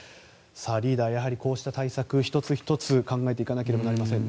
リーダー、こうした対策１つ１つ考えていかなければいけませんね。